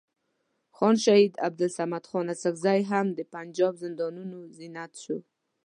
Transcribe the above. خان شهید عبدالصمد خان اڅکزی هم د پنجاب زندانونو زینت شو.